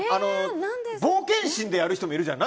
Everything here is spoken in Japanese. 冒険心でやる人もいるじゃん。